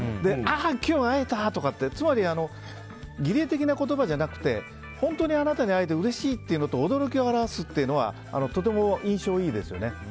あっ、今日会えた！とか儀礼的な言葉じゃなくて本当にあなたに会えてうれしいということと驚きを表すというのはとても印象がいいですよね。